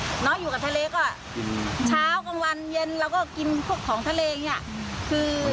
หนูจะต้องน้อยอยู่กับทะเลก็ช้ากลางวันเย็นเราก็กินพวกของทะเลเนี่ย